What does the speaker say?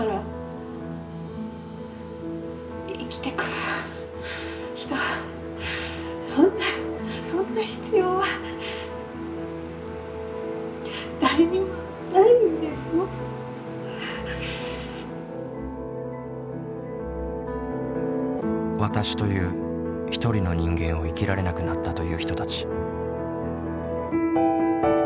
「わたし」という一人の人間を生きられなくなったという人たち。